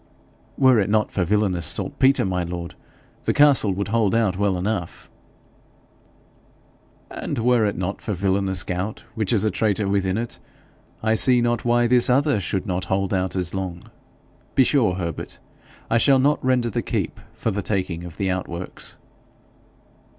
'Were it not for villanous saltpetre, my lord, the castle would hold out well enough.' 'And were it not for villanous gout, which is a traitor within it, I see not why this other should not hold out as long. Be sure, Herbert, I shall not render the keep for the taking of the outworks.'